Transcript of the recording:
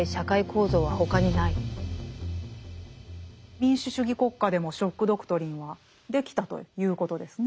民主主義国家でも「ショック・ドクトリン」はできたということですね。